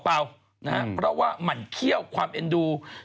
เพราะว่าหมั่นเขี้ยวความเอ็นดู